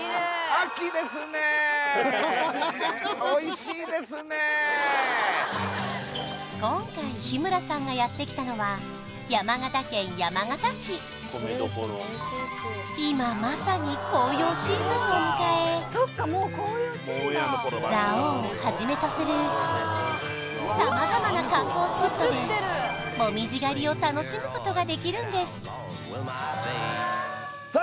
もうこの今回日村さんがやってきたのは今まさに紅葉シーズンを迎え蔵王をはじめとする様々な観光スポットで紅葉狩りを楽しむことができるんですさあ